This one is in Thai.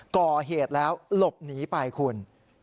ก่อเหตุแล้วหลบหนีไปคุณ